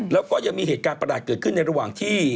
แล้วก็ยังมีเหตุการณ์ประหลาดเกิดขึ้นในระหว่างที่